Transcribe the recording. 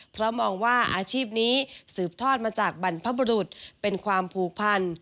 เพราะมองว่าอาชีพนี้สืบทอดมาจากบรรพบรุษเป็นความผูกพัน